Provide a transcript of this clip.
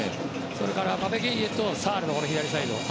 それからゲイエとサールの左サイド。